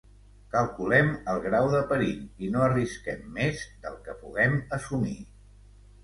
Calculem el grau de perill i no arrisquem més del que puguem assumir.